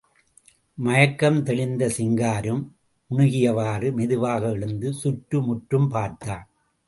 மயக்கம் தெளிந்த சிங்காரம், முனகியவாறு மெதுவாக எழுந்து சுற்று முற்றும் பார்த்தான்.